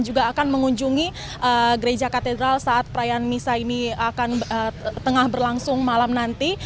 juga akan mengunjungi gereja katedral saat perayaan misa ini akan tengah berlangsung malam nanti